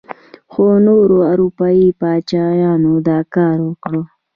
خو نورو اروپايي پاچاهانو دا کار وکړ.